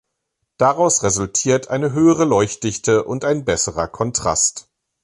Daraus resultiert eine höhere Leuchtdichte und ein besserer Kontrast.